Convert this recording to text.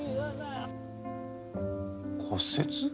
骨折？